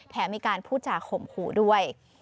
แถมมีการพูดจากขมหูด้วย